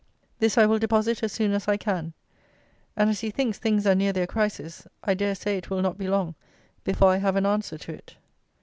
This I will deposit as soon as I can. And as he thinks things are near their crisis, I dare say it will not be long before I have an answer to it.